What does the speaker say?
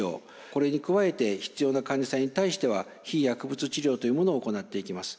これに加えて必要な患者さんに対しては非薬物治療というものを行っていきます。